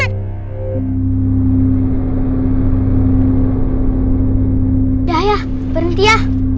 udah ayah berhenti ya